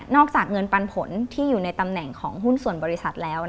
อกจากเงินปันผลที่อยู่ในตำแหน่งของหุ้นส่วนบริษัทแล้ว